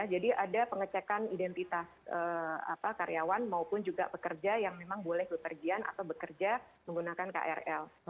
jadi ada pengecekan identitas karyawan maupun juga pekerja yang memang boleh kepergian atau bekerja menggunakan krl